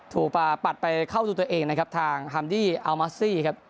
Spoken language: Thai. ทูปัดไปเข้าถูกตัวเองทำที่อัลมาสซี่ครับ